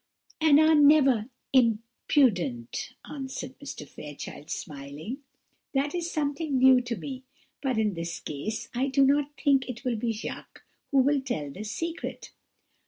"And are never imprudent!" answered Mr. Fairchild, smiling; "that is something new to me; but in this case I do not think it will be Jacques who will tell this secret."